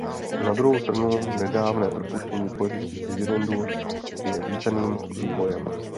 Na druhou stranu nedávné propuštění politických disidentů je vítaným vývojem.